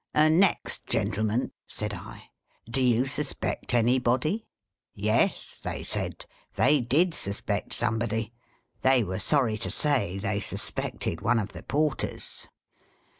"' Next, gentlemen,' said I, ' do you suspect anybody ?'" Yes, they said. They did suspect some body. They were sorry to say, they suspected one of the porters.